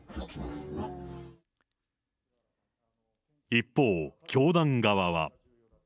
一方、教団側は。